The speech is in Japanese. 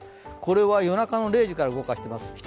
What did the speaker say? これは夜中の０時から動かしています。